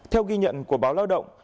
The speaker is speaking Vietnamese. theo ghi nhận của báo lao động